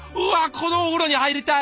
このお風呂に入りたい！